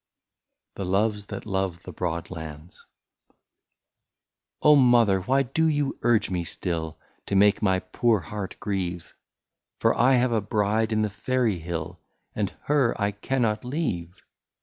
75 THE LOVES THAT LOVE THE BROAD LANDS. " Oh ! mother, why do you urge me still, To make my poor heart grieve. For I have a bride in the fairy hill, And her I cannot leave